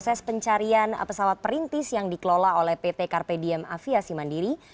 proses pencarian pesawat perintis yang dikelola oleh pt carpediem aviasi mandiri